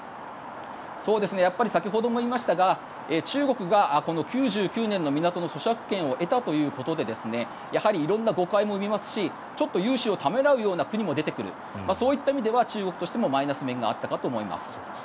先ほども言いましたが中国が９９年の港の租借権を得たということでやはり色んな誤解も生みますしちょっと融資をためらうような国も出てくるそういった意味では中国にとってもマイナス面があったかと思います。